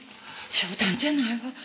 冗談じゃないわ。